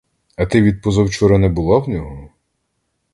— А ти від позавчора не була в нього?